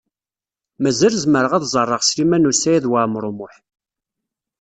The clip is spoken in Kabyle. Mazal zemreɣ ad ẓẓareɣ Sliman U Saɛid Waɛmaṛ U Muḥ.